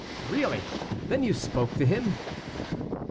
really; then you spoke to him?"